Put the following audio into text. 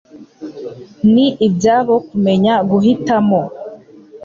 Ni ibyabo kumenya guhitamo.